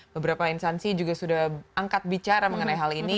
beberapa instansi juga sudah angkat bicara mengenai hal ini